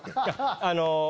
あの。